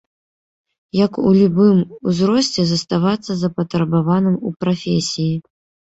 Як у любым узросце заставацца запатрабаваным у прафесіі.